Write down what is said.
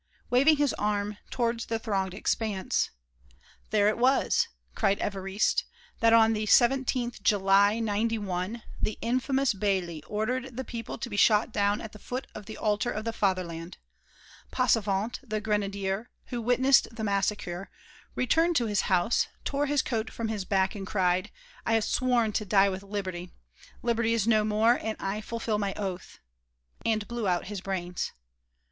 Waving his arm towards the thronged expanse: "There it was," cried Évariste, "that on the 17th July, '91, the infamous Bailly ordered the people to be shot down at the foot of the altar of the fatherland. Passavant, the grenadier, who witnessed the massacre, returned to his house, tore his coat from his back and cried: 'I have sworn to die with Liberty; Liberty is no more, and I fulfil my oath,' and blew out his brains."